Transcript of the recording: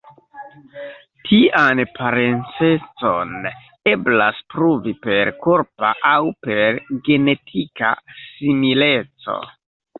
Tian parencecon eblas pruvi per korpa aŭ per genetika simileco.